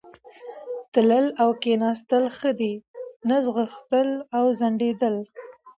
تلل او کښېنستل ښه دي، نه ځغستل او ځنډېدل.